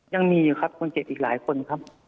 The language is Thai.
ยังมีอยู่ครับคนเจ็บอีกหลายคนครับ